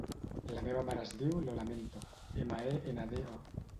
La meva mare es diu Lola Mendo: ema, e, ena, de, o.